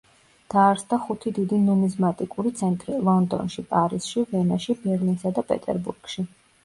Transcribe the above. დაარსდა ხუთი დიდი ნუმიზმატიკური ცენტრი: ლონდონში, პარიზში, ვენაში, ბერლინსა და პეტერბურგში.